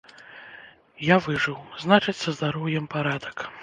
Я выжыў, значыць, са здароўем парадак.